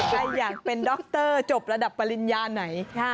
ถ้าอยากเป็นด็อกเตอร์จบระดับปริญญาไหน